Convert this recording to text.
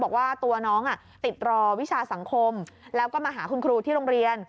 บอกว่าตัวน้องติดรอวิชาสังคมแล้วก็มาหาคุณครูที่โรงเรียน